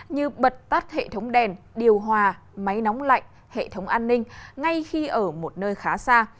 như bật tắt hệ thống đèn điều hòa máy nóng lạnh hệ thống an ninh ngay khi ở một nơi khá xa